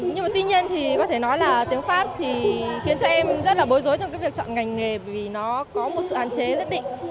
nhưng mà tuy nhiên thì có thể nói là tiếng pháp thì khiến cho em rất là bối rối trong cái việc chọn ngành nghề vì nó có một sự hạn chế nhất định